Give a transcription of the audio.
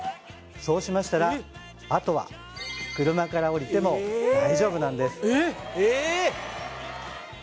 そうしましたらあとは車から降りても大丈夫なんですえっ